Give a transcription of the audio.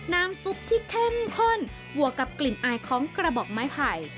น้ำซุปที่เข้มข้นบวกกับกลิ่นอายของกระบอกไม้ไผ่